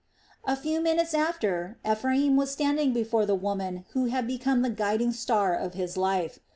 A few minutes after Ephraim was standing before the woman who had become the guiding star of his life.